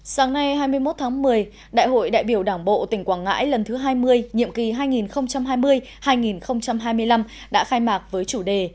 sáng nay hai mươi một tháng một mươi đại hội đại biểu đảng bộ tỉnh quảng ngãi lần thứ hai mươi nhiệm kỳ hai nghìn hai mươi hai nghìn hai mươi năm đã khai mạc với chủ đề